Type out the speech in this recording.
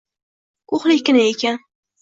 Ko`hlikkina ekan